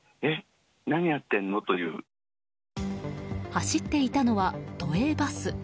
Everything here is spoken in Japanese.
走っていたのは都営バス。